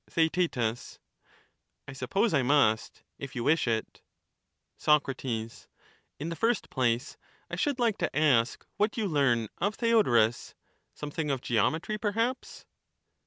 TheaeL I suppose I must, if you wish it. Soc. In the first place, I should like to ask what you learn of Theodorus : something of geometry, perhaps